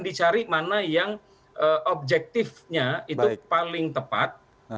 dicari mana yang objektifnya itu paling tepat